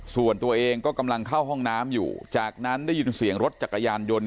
ส่วนตัวเองก็กำลังเข้าห้องน้ำอยู่จากนั้นได้ยินเสียงรถจักรยานยนต์